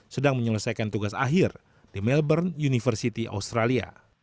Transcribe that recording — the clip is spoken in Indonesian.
sedang menyelesaikan tugas akhir di melbourne university australia